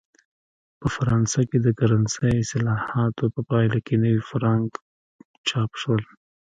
په فرانسه کې د کرنسۍ اصلاحاتو په پایله کې نوي فرانک چاپ شول.